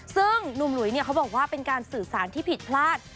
ซึ่งหนุ่มหลุยเขาบอกว่าเป็นการสื่อสารที่ผิดพลาด